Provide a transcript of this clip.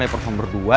lihat performa berdua